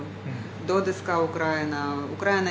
どうですか、ウクライナ。